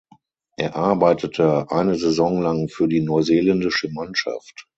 Er arbeitete eine Saison lang für die neuseeländische Mannschaft.